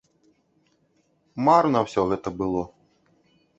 Марна ўсё гэта было.